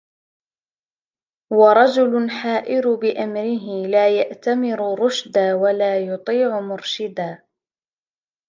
وَرَجُلٌ حَائِرٌ بِأَمْرِهِ لَا يَأْتَمِرُ رُشْدًا وَلَا يُطِيعُ مُرْشِدًا